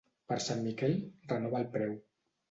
Per Sant Miquel renova el preu.